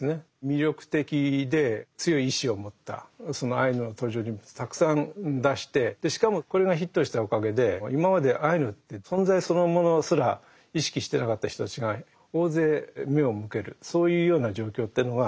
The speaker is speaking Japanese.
魅力的で強い意志を持ったそのアイヌの登場人物たくさん出してしかもこれがヒットしたおかげで今までアイヌって存在そのものすら意識してなかった人たちが大勢目を向けるそういうような状況というのが出てきたってことは確かです。